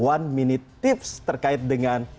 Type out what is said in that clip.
one minute tips terkait dengan